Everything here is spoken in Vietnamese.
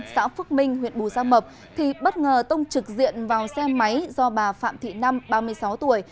xã phước minh huyện bù gia mập thì bất ngờ tông trực diện vào xe máy do bà phạm thị năm ba mươi sáu tuổi